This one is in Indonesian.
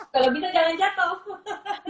kalau bisa jangan jatuh